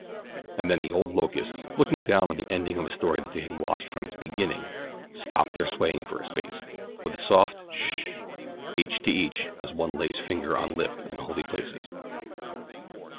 '" And then the old locusts, looking down on the ending of a story that they had watched from its beginning, stopped their swaying for a space, with a soft "Sh!" each to each as one lays finger on lip in holy places.